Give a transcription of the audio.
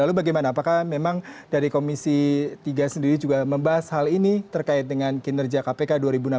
lalu bagaimana apakah memang dari komisi tiga sendiri juga membahas hal ini terkait dengan kinerja kpk dua ribu enam belas